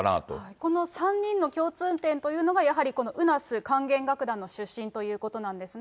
この３人の共通点というのがやはりこのウナス管弦楽団の出身ということなんですね。